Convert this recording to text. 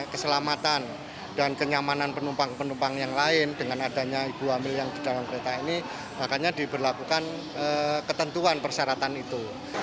keselamatan dan kenyamanan penumpang penumpang yang lain dengan adanya ibu hamil yang di dalam kereta ini makanya diberlakukan ketentuan persyaratan itu